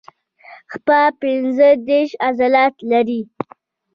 پښه پنځه دیرش عضلات لري.